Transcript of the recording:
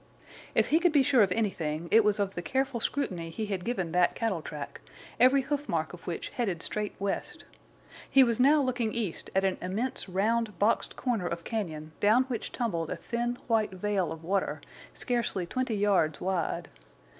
If he could be sure of anything it was of the careful scrutiny he had given that cattle track, every hoofmark of which headed straight west. He was now looking east at an immense round boxed corner of cañon down which tumbled a thin, white veil of water, scarcely twenty yards wide.